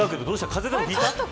風邪でもひいた。